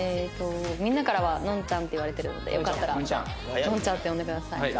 みんなからはのんちゃんって言われてるのでよかったらのんちゃんって呼んでください。